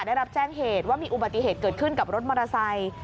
ได้รับแจ้งเหตุว่ามีอุบัติเหตุเกิดขึ้นกับรถมอเตอร์ไซค์